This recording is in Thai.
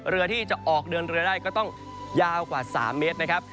เรือที่จะออกเดินเรือได้ก็ต้องยาวกว่า๓เมตรนะครับ